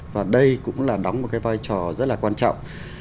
và đây cũng là đóng một cái vai trò rất là quan trọng